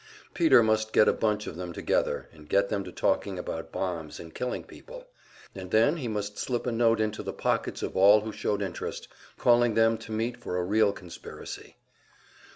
Peter must get a bunch of them together and get them to talking about bombs and killing people; and then he must slip a note into the pockets of all who showed interest, calling them to meet for a real conspiracy.